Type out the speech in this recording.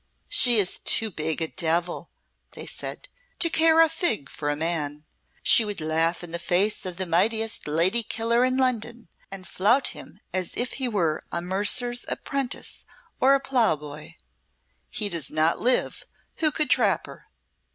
"She is too big a devil," they said, "to care a fig for any man. She would laugh in the face of the mightiest lady killer in London, and flout him as if he were a mercer's apprentice or a plough boy. He does not live who could trap her."